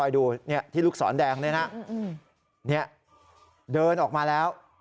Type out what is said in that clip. ดูที่ลูกศรแดงเนี่ยนะเดินออกมาแล้ว